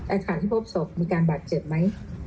อัตภัณฑ์ที่พบศพมีการบาดเจ็บไหม